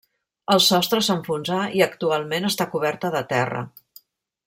El sostre s'enfonsà i actualment està coberta de terra.